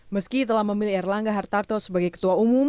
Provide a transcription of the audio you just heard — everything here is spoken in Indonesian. meski telah memilih erlangga hartarto sebagai ketua umum